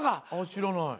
知らない。